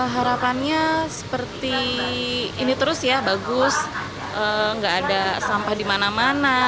harapannya seperti ini terus ya bagus nggak ada sampah di mana mana